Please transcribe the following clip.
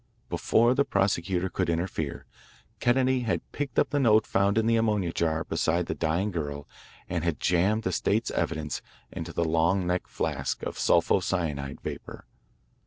Before the prosecutor could interfere, Kennedy had picked up the note found in the ammonia jar beside the dying girl and had jammed the state's evidence into the long necked flask of sulpho cyanide vapour.